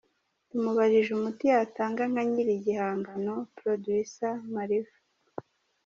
Tumubajije umuti yatanga nka nyiri gihangano, producer Mariva.